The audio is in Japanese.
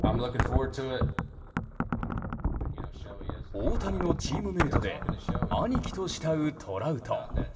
大谷のチームメートで兄貴と慕う、トラウト。